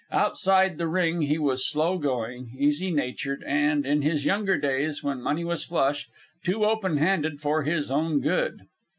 Outside the ring he was slow going, easy natured, and, in his younger days, when money was flush, too open handed for his own good.